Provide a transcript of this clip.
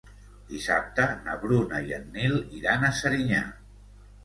Dissabte na Bruna i en Nil iran a Serinyà.